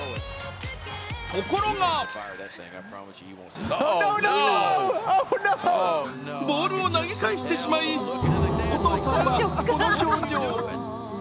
ところがボールを投げ返してしまい、お父さんはこの表情。